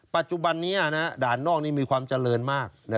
ปัจจุบันนี้ด่านนอกนี้มีความเจริญมาก